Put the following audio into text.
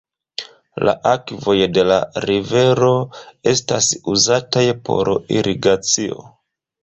La akvoj de la rivero estas uzataj por irigacio.